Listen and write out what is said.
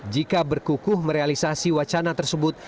jika berkukuh merealisasi wacana tersebut